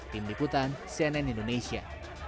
tim liputan cnn indonesia